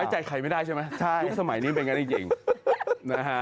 ไม่ไว้ใจใครไม่ได้ใช่ไหมทุกสมัยนี้เป็นอย่างนั้นจริงนะฮะ